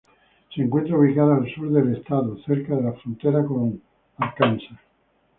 Se encuentra ubicada al sur del estado, cerca de la frontera con Arkansas.